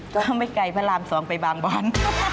ก็ไม่ไกลพระลำสองไปบางบอล